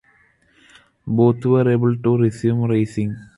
Both were able to resume racing.